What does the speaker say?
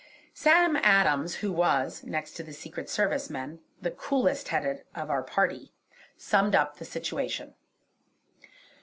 Sam Adams who was, next to the Secret Service men, the coolest headed of our party, summed up the situation.